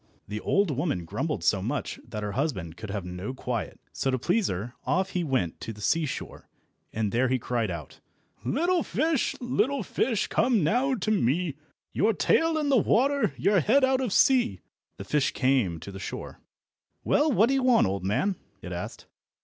The old woman grumbled so much that her husband could have no quiet, so to please her off he went to the seashore, and there he cried out— "Little fish, little fish, come now to me, Your tail in the water, your head out of sea!" The fish came to the shore. "Well, what do you want, old man?" it asked.